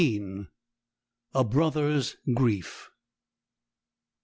A BROTHER'S GRIEF.